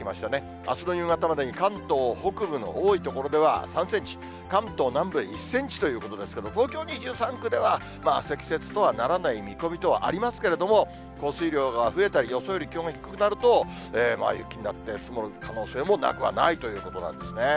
あすの夕方までに関東北部の多い所では３センチ、関東南部で１センチということですけれども、東京２３区では、積雪とはならない見込みとはありますけれども、降水量が増えたり、予想より気温が低くなると、雪になって積もる可能性もなくはないということなんですね。